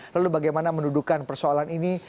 lalu bagaimana mendudukan persoalan ini